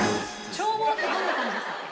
眺望ってどんな感じでしたっけ？